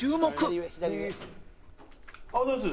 おはようございます。